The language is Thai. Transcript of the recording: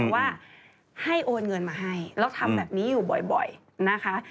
ว่าให้โอนเงินมาให้แล้วทำแบบนี้อยู่บ่อยนะคะ